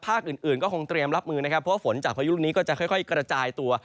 ภาคอื่นอื่นก็คงเตรียมรับมือนะครับเพราะว่าฝนจากพายุลูกนี้ก็จะค่อยกระจายตัว